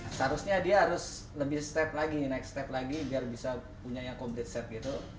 seharusnya dia harus naik step lagi biar bisa punya yang komplit set gitu